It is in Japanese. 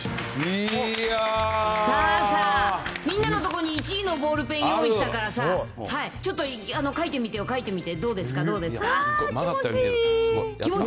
さあさあ、みんなの所に１位のボールペン用意したからさ、ちょっと書いてみてよ、書いてみて、どうですか、どうですか。